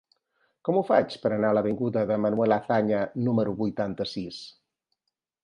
Com ho faig per anar a l'avinguda de Manuel Azaña número vuitanta-sis?